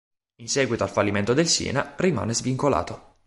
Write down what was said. In seguito al fallimento del Siena, rimane svincolato.